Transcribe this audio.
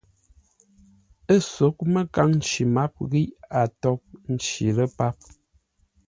Ə́ sóghʼ məkâŋ nci máp ghíʼ a tóghʼ nci lə́ páp.